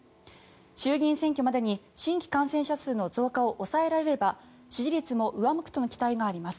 衆議院選挙までに新規感染者数の増加を抑えられれば支持率も上向くとの期待があります。